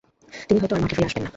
তিনি হয়তো আর মাঠে ফিরে আসবেন না।